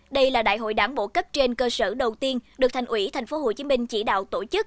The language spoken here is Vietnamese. đây là đại hội đảng bộ cấp trên cơ sở đầu tiên được thành ủy tp hcm chỉ đạo tổ chức